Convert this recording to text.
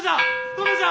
殿じゃ！